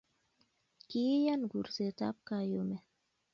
kiiyan kursetab kayumet